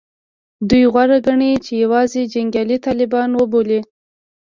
دوی غوره ګڼي چې یوازې جنګیالي طالبان وبولي